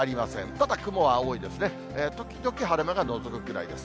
ただ雲は、時々晴れ間がのぞくくらいです。